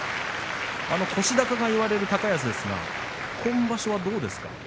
腰高と言われる高安ですが今場所はどうですか？